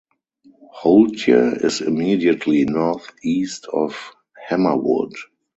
Holtye is immediately north-east of Hammerwood.